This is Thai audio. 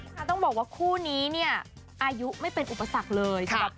ค่ะต้องบอกว่าคู่นี้อายุไม่เป็นอุปสรรคเลย